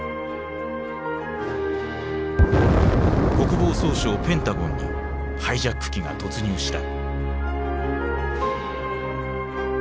国防総省ペンタゴンにハイジャック機が突入した。